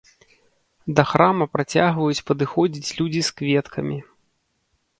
Да храма працягваюць падыходзіць людзі з кветкамі.